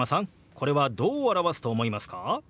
これはどう表すと思いますか？